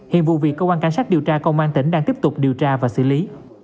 hiện vụ việc cơ quan cảnh sát điều tra công an tỉnh đang tiếp tục điều tra và xử lý